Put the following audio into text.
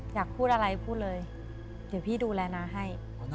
อยากพูดอะไรอยากพูดอะไร